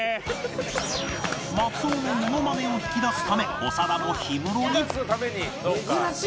松尾のモノマネを引き出すため長田も氷室に